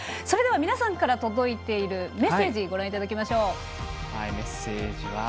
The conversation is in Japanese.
それでは、皆さんから届いているメッセージをご覧いただきましょうか。